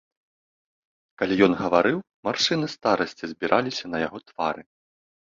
Калі ён гаварыў, маршчыны старасці збіраліся на яго твары.